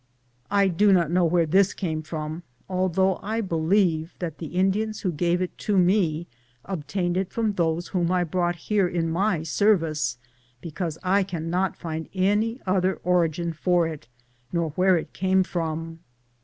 I do not know where this came from, although I believe that the Indians who gave it to me obtained it from those whom I brought here in my service, because I can not find any other origin for it nor where it came from.